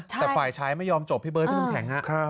แต่ฝ่ายชายไม่ยอมจบพี่เบิร์ดพี่น้ำแข็ง